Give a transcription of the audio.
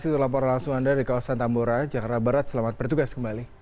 pemprov dki jakarta